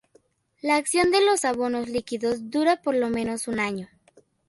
La acción de los abonos líquidos dura por lo menos un año.